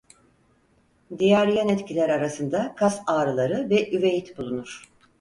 Diğer yan etkiler arasında kas ağrıları ve üveit bulunur.